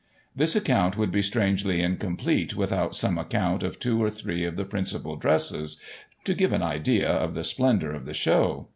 This account would be strangely incomplete without some account of two or three of the principal dresses, to give an idea of the splendour of the show.